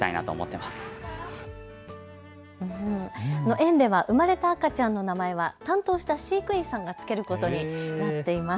園では生まれた赤ちゃんの名前は担当した飼育員が付けることになっています。